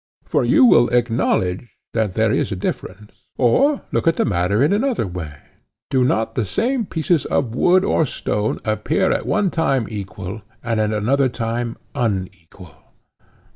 For you will acknowledge that there is a difference. Or look at the matter in another way:—Do not the same pieces of wood or stone appear at one time equal, and at another time unequal?